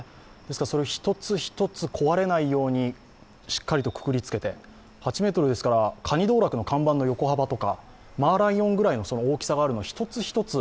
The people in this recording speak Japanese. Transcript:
それを一つ一つ壊れないようにしっかりとくくりつけて、８ｍですからかに道楽の看板の横幅とかマーライオンぐらいの大きさがあるものを１つ１つ。